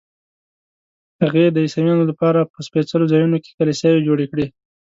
هغې د عیسویانو لپاره په سپېڅلو ځایونو کې کلیساوې جوړې کړې.